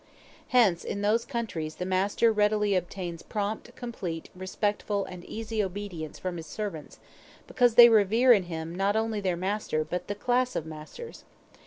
Hence in those countries the master readily obtains prompt, complete, respectful, and easy obedience from his servants, because they revere in him not only their master but the class of masters.